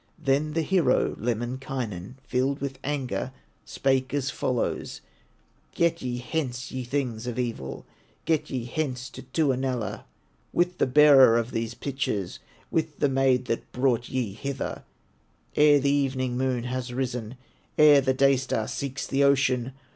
Then the hero, Lemminkainen, Filled with anger, spake as follows: "Get ye hence, ye things of evil, Get ye hence to Tuonela, With the bearer of these pitchers, With the maid that brought ye hither, Ere the evening moon has risen, Ere the day star seeks the ocean!